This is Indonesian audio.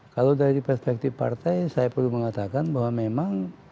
kalau dari perspektif partai saya perlu mengatakan bahwa memang